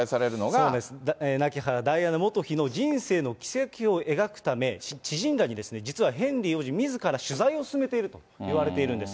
そうです、亡き母ダイアナ元妃の人生の軌跡を描くため、知人らに、実はヘンリー王子みずから取材を進めているといわれているんです。